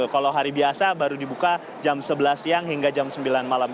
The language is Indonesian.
kalau hari biasa baru dibuka jam sebelas siang hingga jam sembilan malam